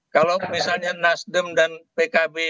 kalau misalnya nasdem dan pkb